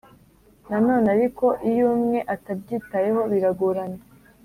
Nanone ariko iyo umwe atabyitayeho biragorana